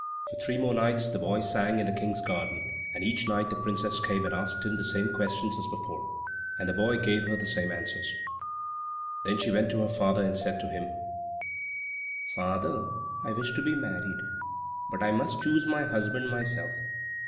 For three more nights the boy sang in the King's garden, and each night the princess came and asked him the same questions as before, and the boy gave her the same answers. Then she went to her father, and said to him, "Father, I wish to be married; but I must choose my husband myself."